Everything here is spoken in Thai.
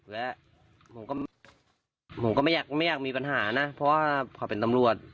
และผมก็ผมก็ไม่อยากมีปัญหานะเพราะว่าเขาเป็นตำรวจ